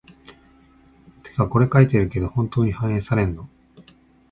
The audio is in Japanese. てかこれ書いてるけど、本当に反映されんの？